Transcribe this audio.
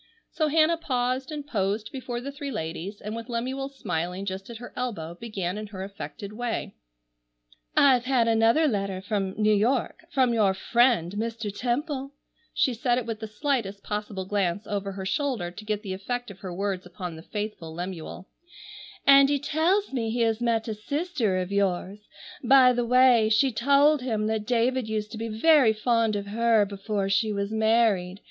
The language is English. So Hannah paused and posed before the three ladies, and with Lemuel smiling just at her elbow, began in her affected way: "I've had another letter from New York, from your friend Mr. Temple," she said it with the slightest possible glance over her shoulder to get the effect of her words upon the faithful Lemuel, "and he tells me he has met a sister of yours. By the way, she told him that David used to be very fond of her before she was married.